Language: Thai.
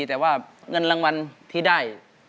แต่ว่าเงินรางวัลที่ได้